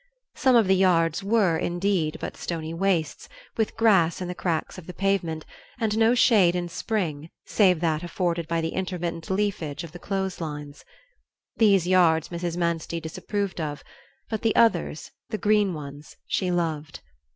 Some of the yards were, indeed, but stony wastes, with grass in the cracks of the pavement and no shade in spring save that afforded by the intermittent leafage of the clothes lines. These yards Mrs. Manstey disapproved of, but the others, the green ones, she loved.